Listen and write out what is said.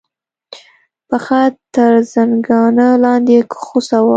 پښه تر زنګانه لاندې غوڅه وه.